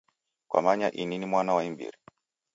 Kwamanya ini ni mwana wa imbiri.